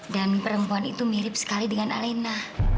dan perempuan itu mirip sekali dengan alina